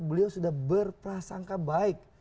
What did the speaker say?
beliau sudah berprasangka baik